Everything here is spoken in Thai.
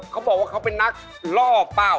เขาบอกว่าเขาเป็นนักล่อเป้า